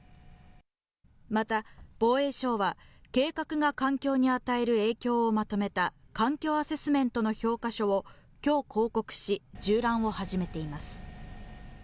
また、防衛省は計画が環境に与える影響をまとめた環境アセスメントの評価書をきょう公告し、縦覧を始めています。